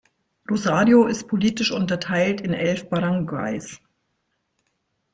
Rosario ist politisch unterteilt in elf Baranggays.